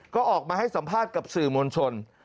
ก็ออกมาให้สัมภาษณ์กับสื่อมวลชน